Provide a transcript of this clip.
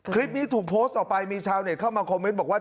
คลิปนี้ถูกโพสต์ออกไปมีชาวเน็ตเข้ามาคอมเมนต์บอกว่า